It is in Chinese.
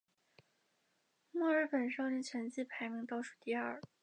墨尔本胜利全季排名倒数第二。